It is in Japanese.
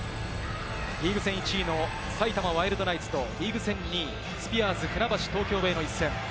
リーグ戦１位の埼玉ワイルドナイツと、リーグ戦２位のスピアーズ船橋・東京ベイの一戦。